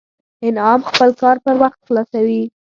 انعام خپل کار پر وخت خلاصوي